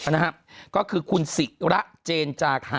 นะฮะก็คือคุณศิระเจนจาคะ